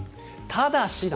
ただしな